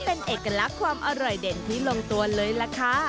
เป็นเอกลักษณ์ความอร่อยเด่นที่ลงตัวเลยล่ะค่ะ